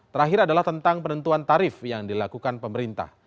terakhir adalah tentang penentuan tarif yang dilakukan pemerintah